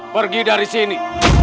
pergi dari sini